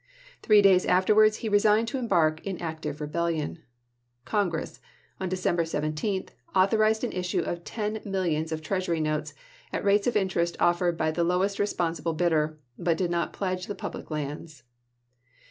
Three days afterwards he resigned to embark in active rebellion. Congress, on December 17, authorized an issue of ten millions of treasury notes, at rates of interest offered by the lowest responsible bidder, but did not pledge the public lands.